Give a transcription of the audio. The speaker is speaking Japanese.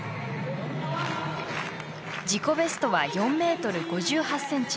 自己ベストは４ｍ５８ｃｍ。